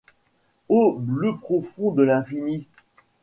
Ô bleu profond de l’infini !